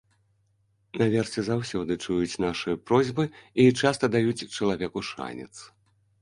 Наверсе заўсёды чуюць нашы просьбы і часта даюць чалавеку шанец.